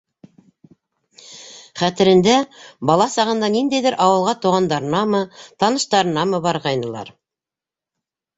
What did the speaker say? Хәтерендә, бала сағында ниндәйҙер ауылға туғандарынамы, таныштарынамы барғайнылар.